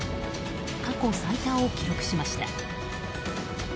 過去最多を記録しました。